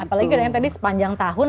apalagi kan yang tadi sepanjang tahun